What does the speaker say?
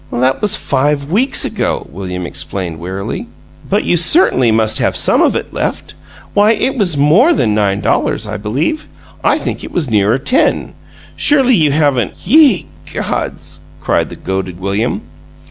"That was five weeks ago," William explained, wearily. "But you certainly must have some of it left. Why, it was MORE than nine dollars, I believe! I think it was nearer ten. Surely you haven't " "Ye gods!" cried the goaded William.